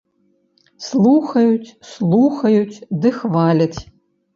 Слухаюць, слухаюць ды хваляць!